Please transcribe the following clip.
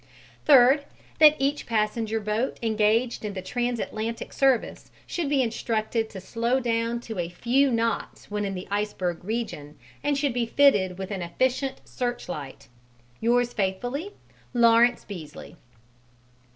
Third, that each passenger boat engaged in the Transatlantic service should be instructed to slow down to a few knots when in the iceberg region, and should be fitted with an efficient searchlight. Yours faithfully, LAWRENCE BEESLEY.